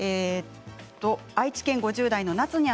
愛知県５０代の方です。